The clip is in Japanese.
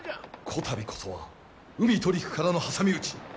こたびこそは海と陸からの挟み撃ち。